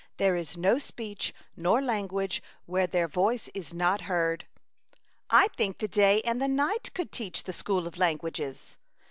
There is no speech nor language where their voice is not heard.' I think the day and the night could teach the School of Languages.